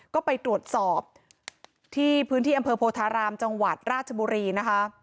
ก็ไปตรวจสอบที่พื้นที่อำเภอโพธารามจังหวัดราชบุรีนะคะ